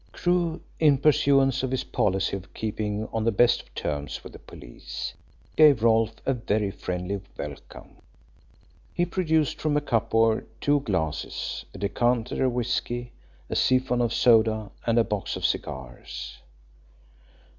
Crewe, in pursuance of his policy of keeping on the best of terms with the police, gave Rolfe a very friendly welcome. He produced from a cupboard two glasses, a decanter of whisky, a siphon of soda, and a box of cigars.